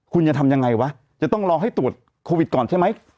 คุณจะทำยังไงวะจะต้องรอให้ตรวจโควิดก่อนใช่ไหม